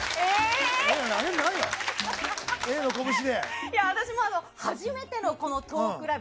は私も初めてのトークライブ